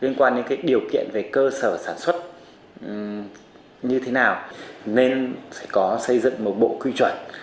nên sẽ có xây dựng một bộ quy chuẩn